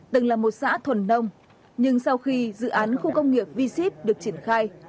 từng là một xã thuần nông nhưng sau khi dự án khu công nghiệp v ship được triển khai